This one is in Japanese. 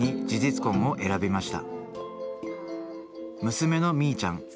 娘のみいちゃん。